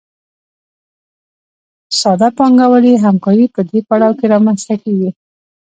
ساده پانګوالي همکاري په دې پړاو کې رامنځته کېږي